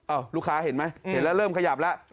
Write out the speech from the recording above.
ลูกค้าเห็นไหมเห็นแล้วเริ่มขยับแล้ว